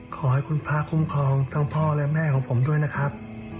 ขอให้คุณพระคุ้มครองทั้งพ่อและแม่ของผมด้วยนะครับ